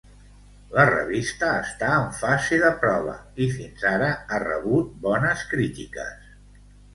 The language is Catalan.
La revista està en fase de prova i, fins ara, ha rebut bones crítiques.